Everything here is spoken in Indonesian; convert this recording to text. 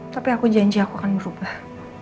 tapi aku janji aku akan berubah